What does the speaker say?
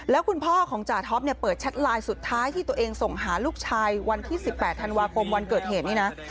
แล้วคุณพ่อของจ่าท็อปเนี่ยเปิดแชทไลน์สุดท้ายที่ตัวเองส่งหาลูกชายวันที่๑๘ธันวาคมวันเกิดเหตุนี้นะ